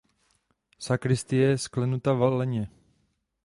Sakristie je sklenuta valeně.